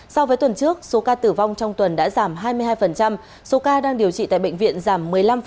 so với tuần trước số ca tử vong trong tuần đã giảm hai mươi hai số ca đang điều trị tại bệnh viện giảm một mươi năm